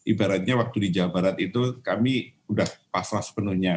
ibaratnya waktu di jawa barat itu kami sudah pasrah sepenuhnya